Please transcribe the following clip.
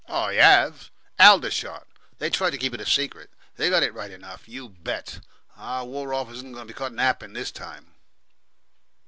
"I 'AVE! Aldershot. They try to keep it a secret. They got it right enough. You bet our War Office isn't going to be caught napping this time."